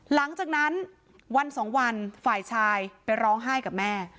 หลังจากนั้นวันสองวันฝ่ายชายไปร้องไห้กับแม่